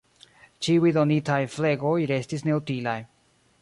Ĉiuj donitaj flegoj restis neutilaj.